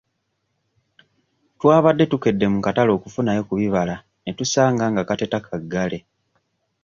Twabadde tukedde mu katale okufunayo ku bibala ne tusanga nga kateta kaggale.